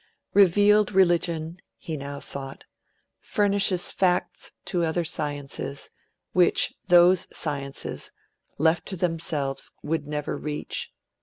'Revealed religion,' he now thought, 'furnishes facts to other sciences, which those sciences, left to themselves, would never reach.